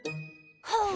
はあ。